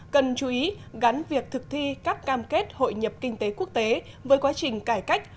cần chú ý gắn việc thực thi các cam kết hội nhập kinh tế quốc tế với quá trình cải cách